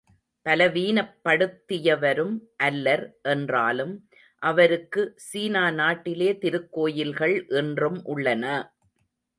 பலவீனப் படுத்தியவரும் அல்லர் என்றாலும், அவருக்கு சீனா நாட்டிலே திருக்கோயில்கள் இன்றும் உள்ளன!